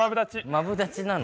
マブダチなの？